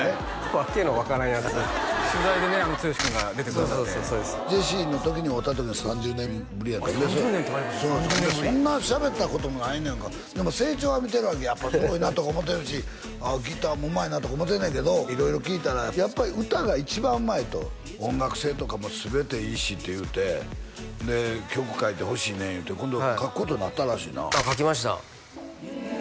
「訳の分からんヤツ」取材でね剛君が出てくださってジェシーの時に会うた時も３０年ぶりやったそんなしゃべったこともないやんかでも成長は見てるわけやっぱすごいなとか思ってるしギターもうまいなとか思ってんねんけど色々聞いたらやっぱり歌が一番うまいと音楽性とかも全ていいしって言うてで曲書いてほしいねん言うて今度書くことになったらしいな書きました